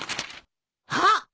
あっ！